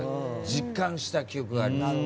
実感した記憶があります。